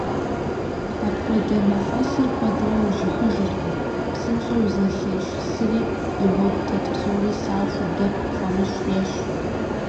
Апхуэдэ мафӀэсыр куэдрэ ужьыхыжыркъым, псынщӀэу зэлъещӏысри, и гъуэгу тет псори сахуэ, дэп, фӀамыщӀ ещӏ.